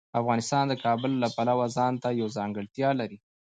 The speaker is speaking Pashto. افغانستان د کابل له پلوه ځانته یوه ځانګړتیا لري.